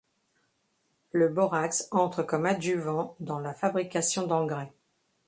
Le borax entre comme adjuvant dans la fabrication d'engrais.